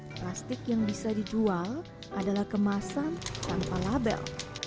plastik yang bisa dijual adalah kemasan tanpa label